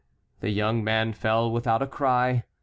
The young man fell without a cry.